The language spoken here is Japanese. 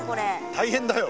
大変だよ。